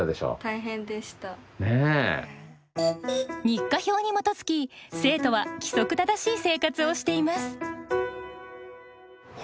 日課表に基づき生徒は規則正しい生活をしています。